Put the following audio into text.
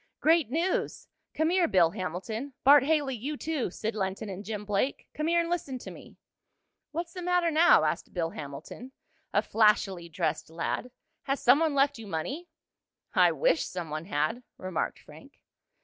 "Great news! Come here, Bill Hamilton Bart Haley you too, Sid Lenton and Jim Blake. Come here and listen to me." "What's the matter now?" asked Bill Hamilton, a flashily dressed lad. "Has some one left you money?" "I wish some one had," remarked Frank.